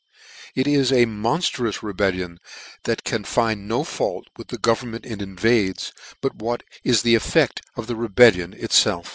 It is a inonilrous rebellion, that can find no fault with the government it invades, but what is the effect: of the rebellion icfelf.